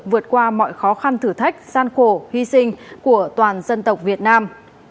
vượt qua mọi khó khăn thử thách san khổ hy sinh của toàn dân tộc việt nam